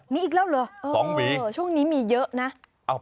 มีอีกแล้วเหรอ๒วีช่วงนี้มีเยอะนะ